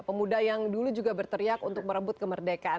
pemuda yang dulu juga berteriak untuk merebut kemerdekaan